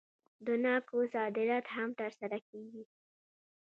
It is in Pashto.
د ناکو صادرات هم ترسره کیږي.